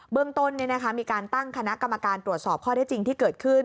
เรื่องต้นมีการตั้งคณะกรรมการตรวจสอบข้อได้จริงที่เกิดขึ้น